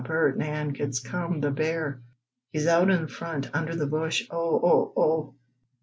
Bert! Nan! It's come! The bear! He's out in front under the bush! Oh! Oh! Oh!"